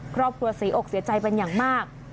ครอบครัวเสียอกเสียใจเป็นอย่างมาก